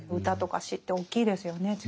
歌とか詩って大きいですよね